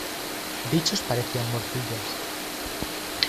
Dichos parecían morcillas.